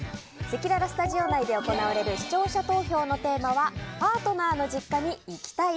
せきららスタジオ内で行われる視聴者投票のテーマはパートナーの実家に行きたい？